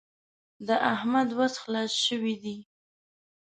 د احمد وس خلاص شوی دی.